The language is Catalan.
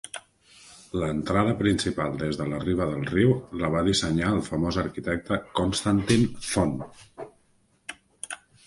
L'entrada principal des de la riba del riu la va dissenyar el famós arquitecte Konstantin Thon.